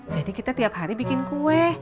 jadi kita tiap hari bikin kue